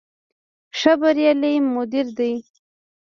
ښه بریالی مدیر دی.